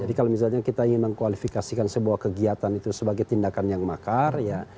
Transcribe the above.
jadi kalau misalnya kita ingin mengkualifikasikan sebuah kegiatan itu sebagai tindakan yang makar